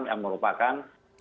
kom yang merupakan